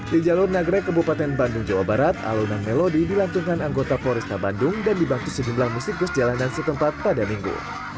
di jalur nagrek kebupaten bandung jawa barat alunan melodi dilantungkan anggota polresta bandung dan dibantu sejumlah musikus jalanan setempat pada minggu